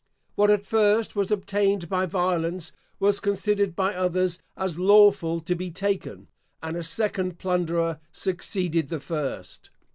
What at first was obtained by violence was considered by others as lawful to be taken, and a second plunderer succeeded the first.